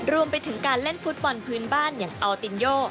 รวมไปถึงการเล่นฟุตบอลพื้นบ้านอย่างอัลตินโย